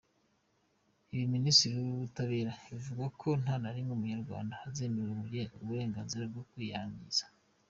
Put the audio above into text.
Ibi Minisiteri y’Ubutabera ivuga ko nta na rimwe Umunyarwanda azemererwa uburenganzira bwo kwiyangiza.